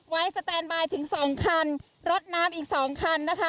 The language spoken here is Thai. สแตนบายถึงสองคันรถน้ำอีกสองคันนะคะ